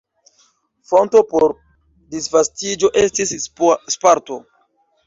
Fonto por disvastiĝo estis Sparto.